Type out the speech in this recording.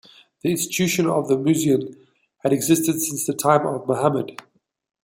The institution of the muezzin has existed since the time of Muhammad.